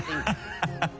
ハッハハ。